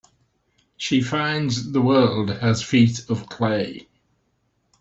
She finds the world has feet of clay.